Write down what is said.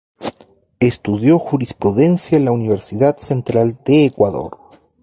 Estudió jurisprudencia en la Universidad Central de Ecuador.